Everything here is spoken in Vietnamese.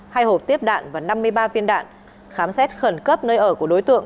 hai hộp tiếp đạn và năm mươi ba viên đạn khám xét khẩn cấp nơi ở của đối tượng